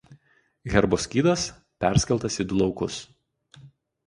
Herbo skydas perskeltas į du laukus.